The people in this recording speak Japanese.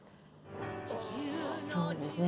そうですね。